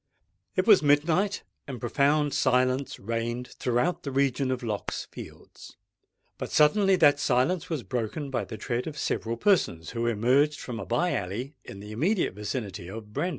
It was midnight; and profound silence reigned throughout the region of Lock's Fields. But suddenly that silence was broken by the tread of several persons, who emerged from a bye alley in the immediate vicinity of Brandon Street.